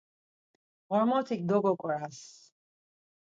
Ğormotik dogoǩaras.